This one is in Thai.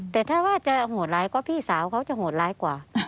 แต่ถ้าว่าจะโหดร้ายก็พี่สาวเขาจะโหดร้ายกว่า